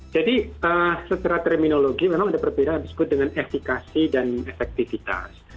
jadi secara terminologi memang ada perbedaan yang disebut dengan efekasi dan efektivitas